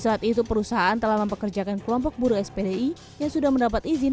saat itu perusahaan telah mempekerjakan kelompok buruh spdi yang sudah mendapat izin